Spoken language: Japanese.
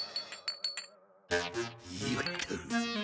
よっと。